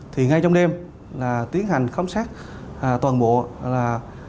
thì ngay trong đêm là tiến hành khám xét toàn bộ là